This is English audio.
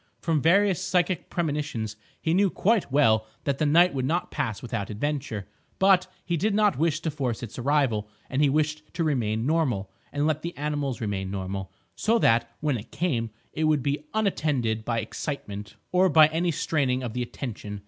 From various psychic premonitions he knew quite well that the night would not pass without adventure; but he did not wish to force its arrival; and he wished to remain normal, and let the animals remain normal, so that, when it came, it would be unattended by excitement or by any straining of the attention.